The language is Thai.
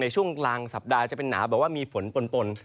ช่วงกลางสัปดาห์จะเป็นหนาวแบบว่ามีฝนปน